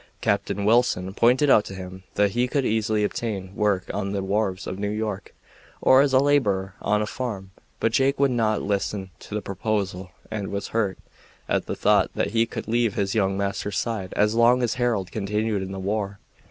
Captain Wilson pointed out to him that he could easily obtain work on the wharves of New York or as a laborer on a farm, but Jake would not listen to the proposal and was hurt at the thought that he could leave his young master's side as long as Harold continued in the war.